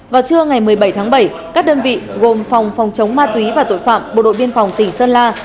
vào trưa ngày một mươi bảy tháng bảy các đơn vị gồm phòng phòng chống ma túy và tội phạm bộ đội biên phòng tỉnh sơn la